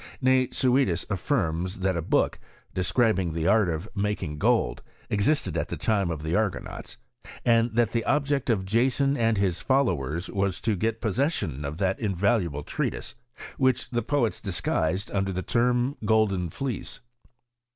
Nay, Suidas aihrms that ^ book, describing the art of making gold, existed at the time of the Argonauts: and that the object of Jason and his followers was to get possession of that invaluable treatise, which the poets disguised unde^ the term golden fieece.